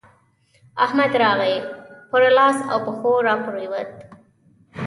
احمد راغی؛ پر لاس او پښو راپرېوت.